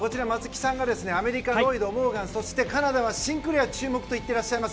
アメリカはロイド、モーガンそしてカナダのシンクレアに注目と言ってらっしゃいます。